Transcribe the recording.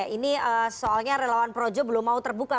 ini soalnya relawan projo belum mau terbuka